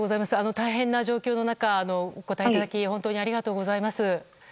大変な状況の中お答えいただき本当にありがとうございます。